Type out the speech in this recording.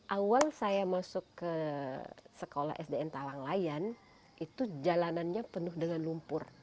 awal saya masuk ke sekolah sdn tawanglayan itu jalanannya penuh dengan lumpur